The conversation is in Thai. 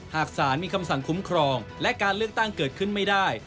หากศาลมีคำสั่งคุ้มครองและการเลือกตั้งเกิดขึ้นไม่ได้